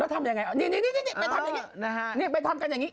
แล้วทำยังไงนี่นี่นี่นี่ไปทำกันอย่างงี้นะฮะนี่ไปทำกันอย่างงี้